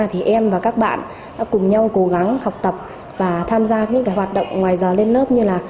thì em và các bạn đã cùng nhau cố gắng học tập và tham gia những cái hoạt động ngoài giờ lên lớp như là